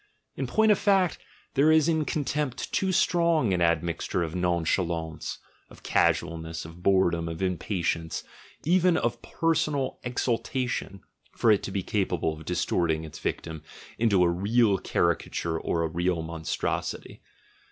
In point of fact, there is in contempt too strong an admixture of nonchalance, of casualness, of boredom, of impatience, even of personal exultation, for it to be capable of distorting its victim into a real caricature or a real monstrosity.